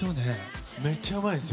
めっちゃうまいんですよ。